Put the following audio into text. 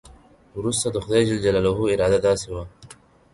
وروسته د خدای جل جلاله اراده داسې وه.